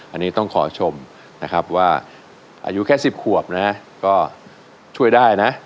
อันนี้ต้องขอชมนะครับว่าอายุแค่๑๐ขวบนะฮะก็ช่วยได้นะ